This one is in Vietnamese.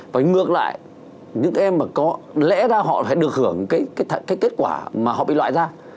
và ngược lại những em mà có lẽ ra họ phải được hưởng cái kết quả mà họ bị loại ra